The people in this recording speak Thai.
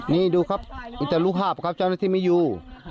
นี่ดูครับมีแต่รูปภาพครับเจ้าหน้าที่ไม่อยู่